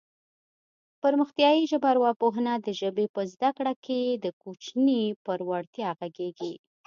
پرمختیایي ژبارواپوهنه د ژبې په زده کړه کې د کوچني پر وړتیا غږېږي